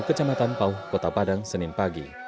kecamatan pauh kota padang senin pagi